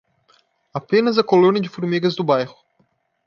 Apenas a colônia de formigas do bairro.